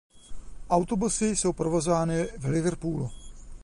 Autobusy jsou provozovány v Liverpoolu.